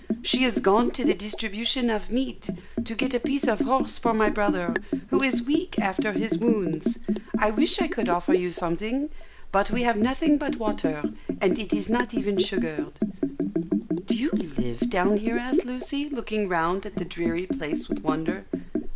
She is gone to the distribution of meat, to get a piece of horse for my brother, who is weak after his wounds. I wish I could offer you something, but we have nothing but water, and it is not even sugared." "Do you live down here?" asked Lucy, looking round at the dreary place with wonder.